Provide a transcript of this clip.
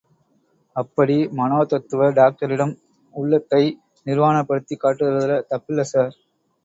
அப்படி மனோதத்துவ டாக்டரிடம் உள்ளத்தை நிர்வாணப்படுத்திக் காட்டுறதுல தப்பில்ல ஸார்.